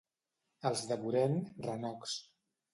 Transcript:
Els de Borén, renocs.